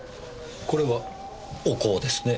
これはお香ですね。